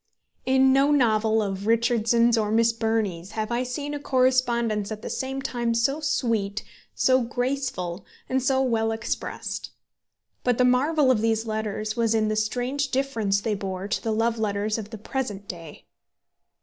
In no novel of Richardson's or Miss Burney's have I seen a correspondence at the same time so sweet, so graceful, and so well expressed. But the marvel of these letters was in the strange difference they bore to the love letters of the present day.